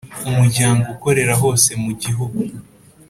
Umuryango ukorera hose mu gihugu